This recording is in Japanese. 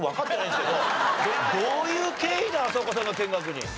どういう経緯で浅丘さんが見学に？